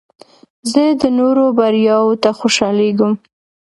زه د نورو بریاوو ته خوشحالیږم.